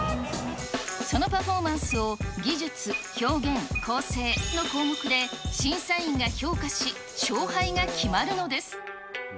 そのパフォーマンスを、技術、表現、構成の項目で審査員が評価し、勝敗が決まるのです。